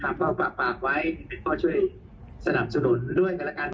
ถามว่าปากไว้ก็ช่วยสนับสนุนด้วยกันละกัน